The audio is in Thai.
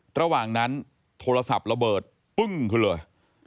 ระหว่างนั้นโทรศัพท์ระเบิดปึ้งขึ้นเลย